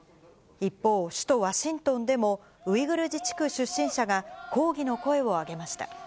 一方、首都ワシントンでも、ウイグル自治区出身者が抗議の声を上げました。